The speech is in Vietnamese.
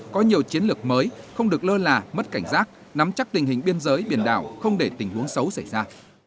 có nhiều chiến lược mới không được lơ là mất cảnh giác nắm chắc tình hình biên giới biển đảo không để tình huống xấu xảy ra